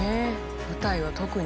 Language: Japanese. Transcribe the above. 舞台は特に。